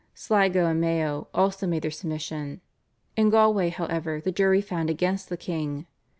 Sligo and Mayo also made their submission. In Galway, however, the jury found against the king.